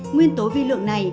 nguyên tố vi lượng này